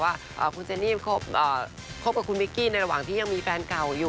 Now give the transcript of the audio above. ว่าคุณเจนี่คบกับคุณมิกกี้ในระหว่างที่ยังมีแฟนเก่าอยู่